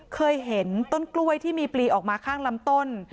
เคยเห็นต้นกล้วยที่มีปลีออกมาข้างลำต้น